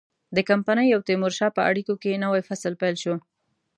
د کمپنۍ او تیمورشاه په اړیکو کې نوی فصل پیل شو.